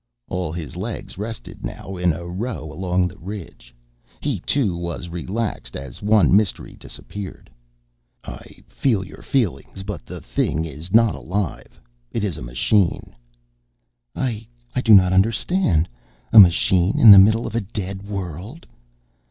All his legs rested now in a row along the ridge. He too was relaxed as one mystery disappeared. "I feel your feelings, but the thing is not alive. It is a machine." "I do not understand. A machine in the middle of a dead world?"